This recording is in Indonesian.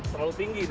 terlalu tinggi nih